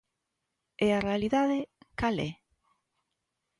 E a realidade ¿cal é?